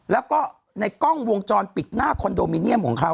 แล้วก็ในกล้องวงจรปิดหน้าคอนโดมิเนียมของเขา